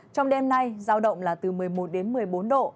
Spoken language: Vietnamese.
trong đêm nay giao động là từ một mươi một đến một mươi bốn độ